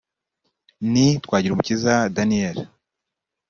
ni Twagirumukiza Daniel